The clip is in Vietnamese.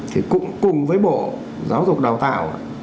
thì cũng cùng với bộ giáo dục đào tạo